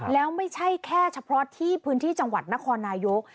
แล้วไม่ใช่แค่เฉพาะที่พื้นที่จังหวัดนครนายก